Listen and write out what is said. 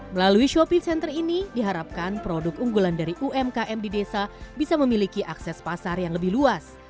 melalui shopeed center ini diharapkan produk unggulan dari umkm di desa bisa memiliki akses pasar yang lebih luas